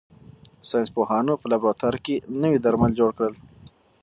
ساینس پوهانو په لابراتوار کې نوي درمل جوړ کړل.